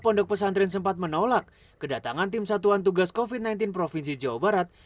pondok pesantren sempat menolak kedatangan tim satuan tugas covid sembilan belas provinsi jawa barat